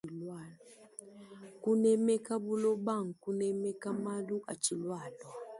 Kunemeka buloba nkunemeka malu atshilualua.